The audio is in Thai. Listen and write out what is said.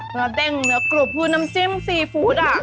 เด้งเนื้อกรุบคือน้ำจิ้มซีฟู้ดอ่ะ